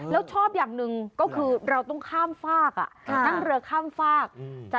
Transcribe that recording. แล้วชอบอย่างหนึ่งก็คือเราต้องข้ามฝาก